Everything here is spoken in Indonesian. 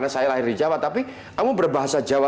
saya lahir di jawa tapi kamu berbahasa jawa